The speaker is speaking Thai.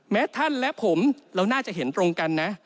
ท่านและผมเราน่าจะเห็นตรงกันนะ